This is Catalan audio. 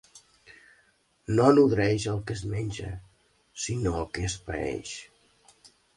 No nodreix el que es menja, sinó el que es paeix.